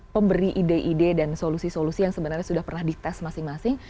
pemberi ide ide dan solusi solusi yang sebenarnya sudah pernah dites masing masing